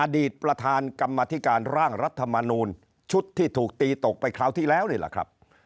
อดีตประธานกรรมธิการร่างรัฐมนูลชุดที่ถูกตีตกไปคราวที่แล้วนี่แหละครับ